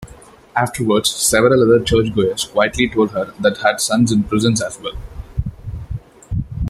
Afterwards, several other churchgoers quietly told her that had sons in prison, as well.